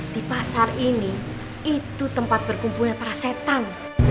di pasar ini itu tempat berkumpulnya para setan